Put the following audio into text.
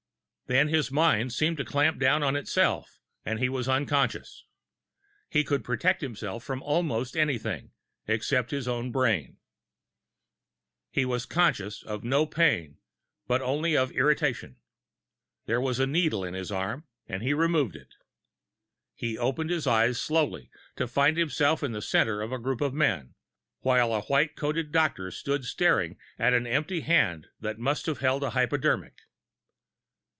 Then his mind seemed to clamp down on itself, and he was unconscious. He could protect himself from almost anything except his own brain! He was conscious of no pain, but only of irritation. There was a needle in his arm, and he removed it! He opened his eyes slowly, to find himself the center of a group of men, while a white clothed doctor stood staring at an empty hand that must have held a hypodermic.